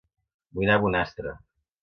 Vull anar a Bonastre